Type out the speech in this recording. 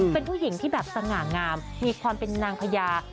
เป็นผู้หญิงที่แบบสง่างามมีความเป็นนางพญา